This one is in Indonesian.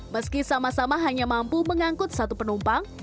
meski sama sama hanya mampu mengangkut satu penumpang